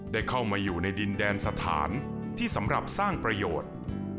ได้เข้ามาอยู่ในดินแดนสถานที่สำหรับสร้างประโยชน์